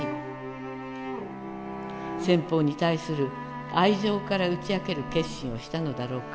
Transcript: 先方に対する愛情から打ちあける決心をしたのだろうか。